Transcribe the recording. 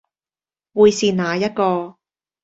會是哪一個